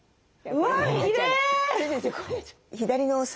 うわきれい！